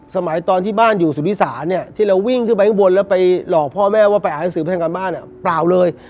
สมัยตอนที่บ้านอยู่สุพิสาเนี่ยที่เราวิ่งขึ้นไปข้างบนแล้วไปหลอกพ่อแม่ว่าไปหาหนังสือแพงการบ้านเปล่าเลย